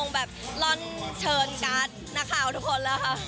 แบบร่อนเชิญการ์ดนักข่าวทุกคนแล้วค่ะ